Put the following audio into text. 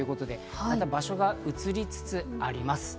また場所が移りつつあります。